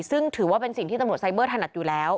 ซึ่งถือว่าเป็นสิ่งที่ตำรวจไซเบอร์ถนัดอยู่แล้ว